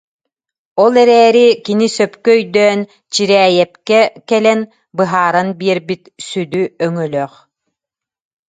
Ол эрээри кини сөпкө өйдөөн Чирээйэпкэ кэлэн быһааран биэрбит сүдү өҥөлөөх